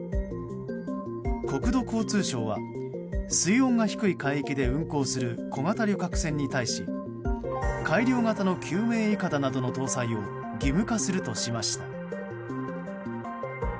国土交通省は水温が低い海域で運航する小型旅客船に対し改良型の救命いかだなどの搭載を義務化するとしました。